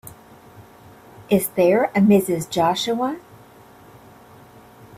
Is there a Mrs. Joshua?